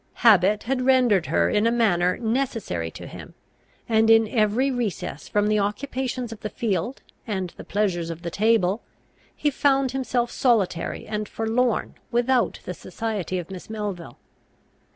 Habit had rendered her in a manner necessary to him, and, in every recess from the occupations of the field and the pleasures of the table, he found himself solitary and forlorn without the society of Miss Melville.